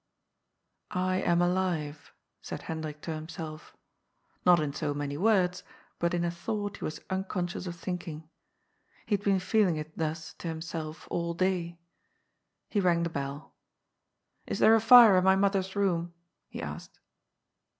^' I am alive," said Hendrik to himself, not in so many words, but in a thought he was unconscious of thinking. He had been feeling it thus to himself all day. He rang the bell. " Is there a fire in my mother's room ?" he asked.